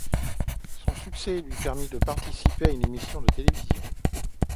Son succès lui permet de participer à une émission de télévision.